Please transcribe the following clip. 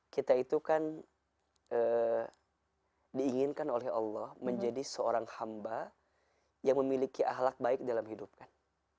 kita itu kan diinginkan oleh allah menjadi seorang hamba yang memiliki ahlak baik dalam hidupkan